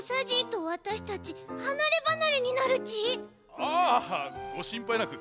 ああごしんぱいなく。